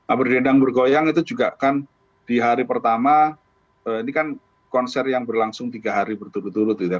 abdur dendang bergoyang itu juga kan di hari pertama ini kan konser yang berlangsung tiga hari berturut turut gitu ya